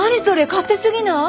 勝手すぎない？